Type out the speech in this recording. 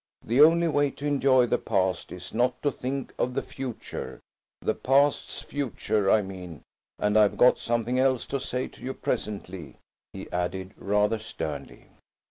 The only way to enjoy the past is not to think of the future–the past's future, I mean–and I've got something else to say to you presently," he added rather sternly.